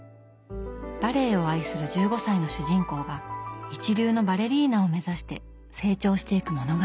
バレエを愛する１５歳の主人公が一流のバレリーナを目指して成長していく物語。